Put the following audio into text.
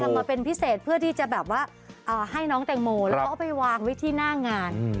ใช่ค่ะสั่งมาเป็นพิเศษเพื่อให้คุณเบิศแต่งโมแล้วเอาไปวางไว้ที่หน้างาน